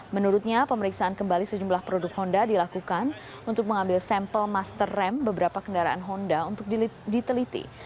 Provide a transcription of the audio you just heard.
menurutnya pemeriksaan kembali sejumlah produk honda dilakukan untuk mengambil sampel master rem beberapa kendaraan honda untuk diteliti